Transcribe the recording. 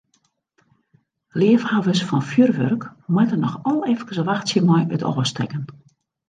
Leafhawwers fan fjurwurk moatte noch al efkes wachtsje mei it ôfstekken.